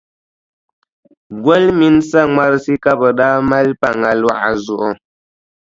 Goli mini saŋmarisi ka bɛ daa maali pa ŋa luɣa zuɣu.